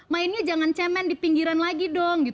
mainnya jangan cemen di pinggiran lagi dong